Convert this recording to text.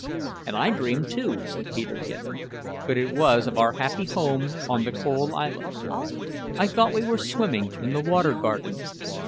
"And I dreamed too," said Peterkin; "but it was of our happy home on the Coral Island. I thought we were swimming in the Water Garden.